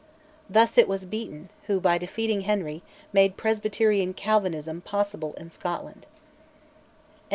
Thus it was Beaton who, by defeating Henry, made Presbyterian Calvinism possible in Scotland.